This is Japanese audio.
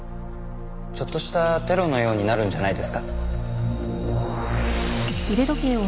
ちょっとしたテロのようになるんじゃないですか？